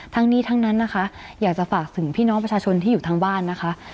ทั้งนี้ทั้งนั้นนะคะอยากจะฝากถึงพี่น้องประชาชนที่อยู่ทางบ้านนะคะ